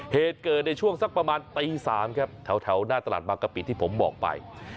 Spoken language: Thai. เหตุเกิดในช่วงสักประมาณตี๓ครับแถวหน้าตลาดบางกะปิที่ผมบอกไป